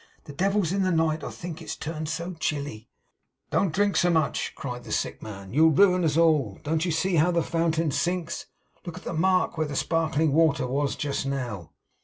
The devil's in the night, I think, it's turned so chilly!' 'Don't drink so much!' cried the sick man. 'You'll ruin us all. Don't you see how the fountain sinks? Look at the mark where the sparkling water was just now!